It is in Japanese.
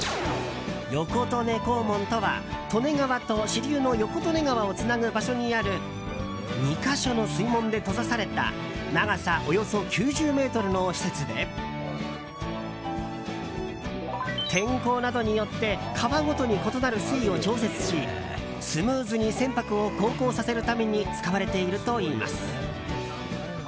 横利根閘門とは利根川と支流の横利根川をつなぐ場所にある２か所の水門で閉ざされた長さおよそ９０ｍの施設で天候などによって川ごとに異なる水位を調節しスムーズに船舶を航行させるために使われているといいます。